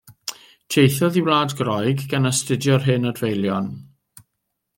Teithiodd i Wlad Groeg gan astudio'r hen adfeilion.